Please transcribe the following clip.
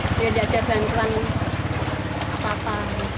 supaya tidak ada bantuan apa apa